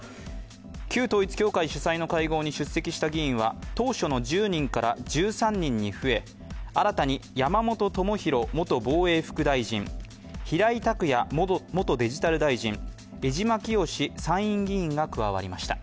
旧統一教会主催の会合に出席した議員は当初の１０人から１３人に増え、新たに山本朋広元防衛副大臣、平井卓也元デジタル大臣、江島潔参院議員が加わりました。